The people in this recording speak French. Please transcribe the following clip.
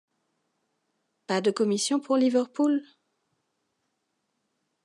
Pas de commissions pour Liverpool ?…